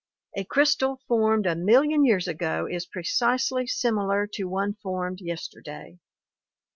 A crystal formed a million years ago is precisely similar to one formed yesterday.